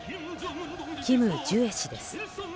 キム・ジュエ氏です。